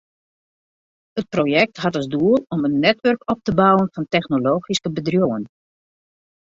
It projekt hat as doel om in netwurk op te bouwen fan technologyske bedriuwen.